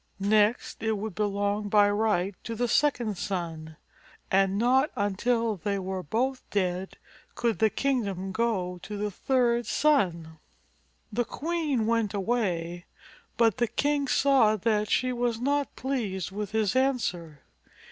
Next it would belong by right to the second son, and not until they were both dead could the kingdom go to the third son. 63 JATAKA TALES The queen went away, but the king saw that she was not pleased with his answer.